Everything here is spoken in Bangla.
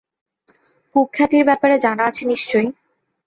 কুখ্যাতির ব্যাপারে জানা আছে নিশ্চয়ই?